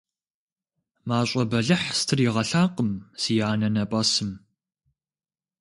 Мащӏэ бэлыхь стригъэлъакъым си анэнэпӏэсым.